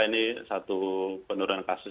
ini satu penurunan kasus